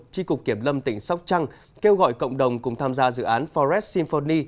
tri cục kiểm lâm tỉnh sóc trăng kêu gọi cộng đồng cùng tham gia dự án forest symphony